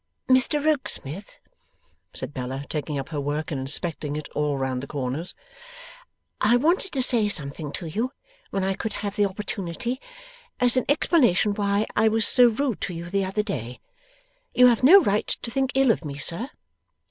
'Mr Rokesmith,' said Bella, taking up her work, and inspecting it all round the corners, 'I wanted to say something to you when I could have the opportunity, as an explanation why I was rude to you the other day. You have no right to think ill of me, sir.